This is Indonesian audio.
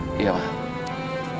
oke yuk tinggal sayang